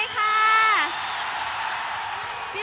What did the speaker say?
ครับ